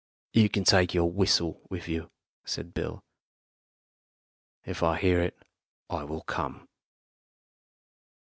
"You can take the whistle with you," said Bill. "If I hear it I will come."